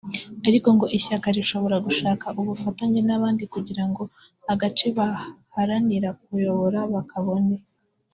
ariko ngo ishyaka rishobora gushaka ubufatanye n’abandi kugira ngo agace baharanira kuyobora bakabone